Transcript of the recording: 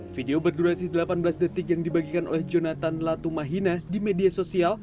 video berdurasi delapan belas detik yang dibagikan oleh jonathan latumahina di media sosial